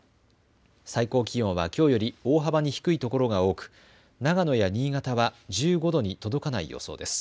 最高気温はきょうより大幅に低いところが多く、長野や新潟は１５度に届かない予想です。